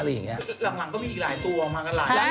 หลังก็มีอีกหลายตัวออกมาก่อน